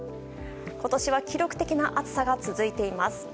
今年は記録的な暑さが続いています。